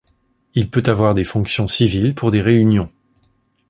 Il peut avoir des fonctions civiles pour des réunions.